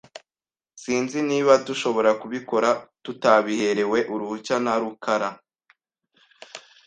Sinzi niba dushobora kubikora tutabiherewe uruhushya na rukara .